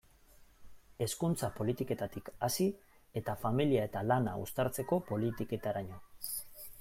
Hezkuntza politiketatik hasi eta familia eta lana uztartzeko politiketaraino.